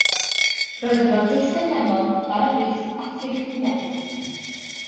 Roedd yno deisen lemon, bara brith a threiffl mefus.